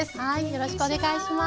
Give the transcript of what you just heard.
よろしくお願いします。